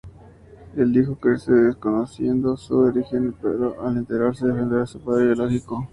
El hijo crece desconociendo su origen pero al enterarse defenderá a su padre biológico.